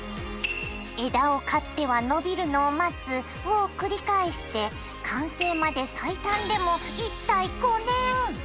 枝を刈っては伸びるのを待つを繰り返して完成まで最短でも１体５年！